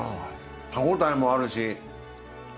歯ごたえもあるし。